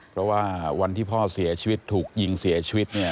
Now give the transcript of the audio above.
เพราะว่าวันที่พ่อเสียชีวิตถูกยิงเสียชีวิตเนี่ย